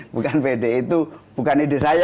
bukan pede itu bukan ide saya